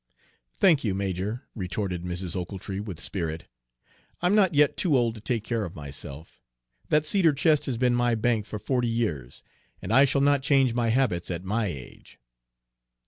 "Thank you, major," retorted Mrs. Ochiltree, with spirit, "I'm not yet too old to take care of myself. That cedar chest has been my bank for forty years, and I shall not change my habits at my age."